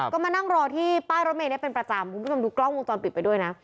ก็มานั่งรอที่ป้ายรถเมย์เป็นประจำ